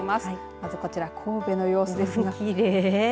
まずこちら神戸の様子ですがきれい。